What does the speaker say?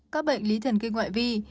các bệnh lý thần kinh ngoại vi